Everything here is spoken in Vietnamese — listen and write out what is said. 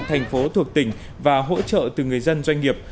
thành phố thuộc tỉnh và hỗ trợ từ người dân doanh nghiệp